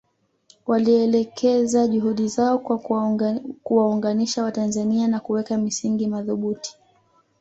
Walielekeza juhudi zao kwa kuwaunganisha Watanzania na kuweka misingi madhubuti